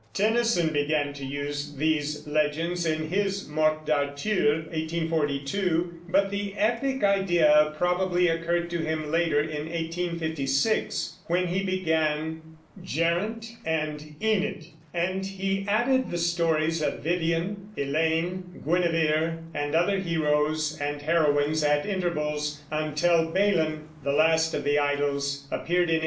Tennyson began to use these legends in his Morte d'Arthur (1842); but the epic idea probably occurred to him later, in 1856, when he began "Geraint and Enid," and he added the stories of "Vivien," "Elaine," "Guinevere," and other heroes and heroines at intervals, until "Balin," the last of the Idylls, appeared in 1885.